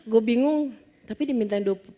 gue bingung tapi diminta